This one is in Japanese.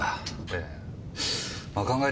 ええ。